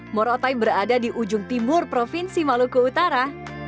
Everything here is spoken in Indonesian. morotai berada di ujung timur provinsi maluku utara